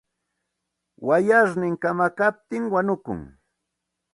Wayarnin kamakaptin wanukun.